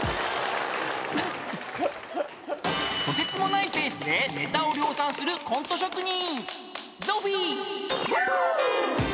［とてつもないペースでネタを量産するコント職人］